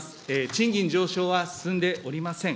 賃金上昇は進んでおりません。